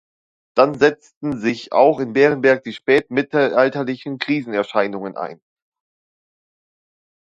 Dann setzten auch in Beerenberg die spätmittelalterlichen Krisenerscheinungen ein.